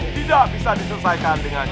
tidak bisa diselesaikan dengan